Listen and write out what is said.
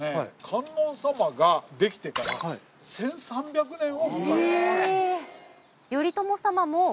観音様ができてから１３００年を迎えた。